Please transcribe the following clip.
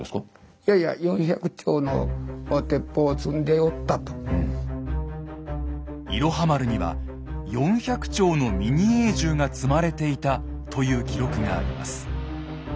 いやいや「いろは丸」には４００丁のミニエー銃が積まれていたという記録があります。